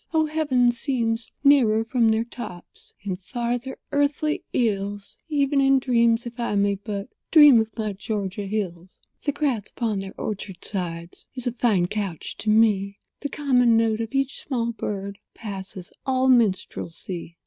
Oh, heaven seems nearer from their tops— And farther earthly ills— Even in dreams, if I may but Dream of my Georgia hills. The grass upon their orchard sides Is a fine couch to me; The common note of each small bird Passes all minstrelsy.